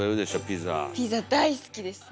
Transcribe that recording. ピザ大好きです。